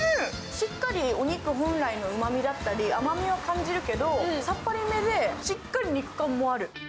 しっかりお肉本来のうまみだったり、甘みを感じるけど、さっぱりめでしっかり肉感もある。